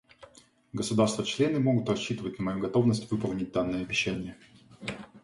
Государства-члены могут рассчитывать на мою готовность выполнить данное обещание.